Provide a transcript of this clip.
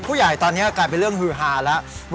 ผู้ใหญ่ตอนนี้กลายเป็นเรื่องฮือฮาแล้ว